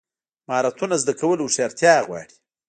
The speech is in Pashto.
مهارتونه زده کول هوښیارتیا غواړي.